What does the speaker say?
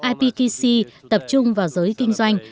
ipkc tập trung vào giới kinh doanh